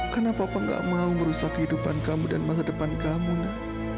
karena papa enggak mau merusak kehidupan kamu dan masa depan kamu nak